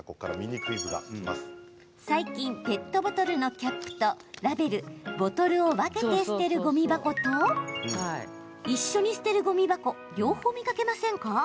最近、ペットボトルのキャップとラベル、ボトルを分けて捨てるごみ箱と一緒に捨てるごみ箱両方見かけませんか？